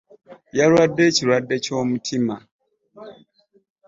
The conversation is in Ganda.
Yalwadde ekilwadde ky'omutima .